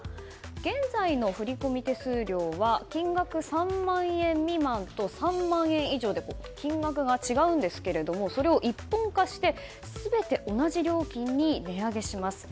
現在の振込手数料は金額３万円未満と３万円以上で金額が違うんですがそれを一本化して全て同じ料金に値上げします。